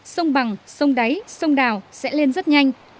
sông bằng sông đáy sông đào sẽ lên rất nhanh